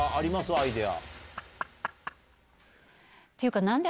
アイデア。